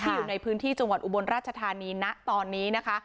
อยู่ในพื้นที่จังหวัดอุบลราชธานีนะตอนนี้นะคะ